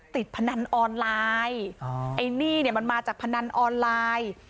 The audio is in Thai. พนันออนไลน์ไอ้หนี้เนี่ยมันมาจากพนันออนไลน์